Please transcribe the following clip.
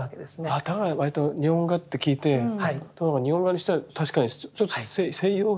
ああだから割と日本画って聞いて日本画にしては確かにちょっと西洋画っぽいなって。